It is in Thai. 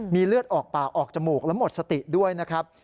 มีเลือดออกปากออกจมูกและหมดสติด้วยนะครับ